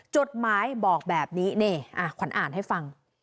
จดหมายบอกแบบนี้นี่ขวัญอ่านให้ฟัง